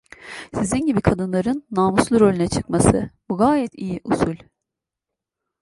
Sizin gibi kadınların namuslu rolüne çıkması, bu gayet iyi usul…